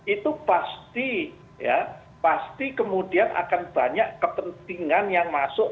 itu pasti ya pasti kemudian akan banyak kepentingan yang masuk